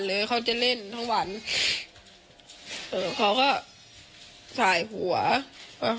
ตกลงไปจากรถไฟได้ยังไงสอบถามแล้วแต่ลูกชายก็ยังไง